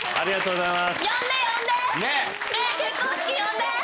呼んで呼んで！